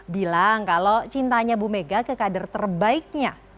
bilang kalau cintanya bu mega ke kader terbaiknya